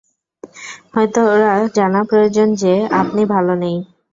হয়তো ওর জানা প্রয়োজন যে, আপনি ভালো নেই।